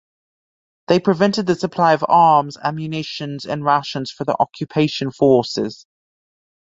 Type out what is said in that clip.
They prevented the supply of arms, ammunitions and rations for the occupation forces.